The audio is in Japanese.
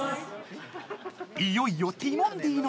いよいよティモンディのダンス。